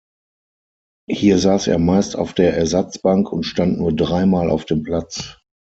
Hier saß er meist auf der Ersatzbank und stand nur dreimal auf dem Platz.